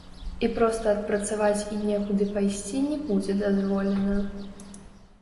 І проста адпрацаваць і некуды пайсці не будзе дазволена.